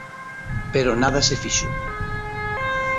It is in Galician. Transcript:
Pero nada se fixo.